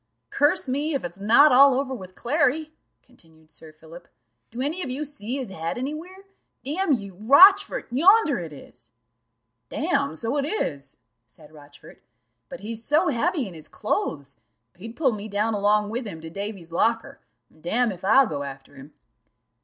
"Curse me, if it's not all over with Clary," continued Sir Philip. "Do any of you see his head any where? Damn you, Rochfort, yonder it is." "Damme, so it is," said Rochfort; "but he's so heavy in his clothes, he'd pull me down along with him to Davy's locker: damme, if I'll go after him."